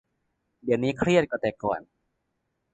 เดี๋ยวนี้เครียดกว่าแต่ก่อน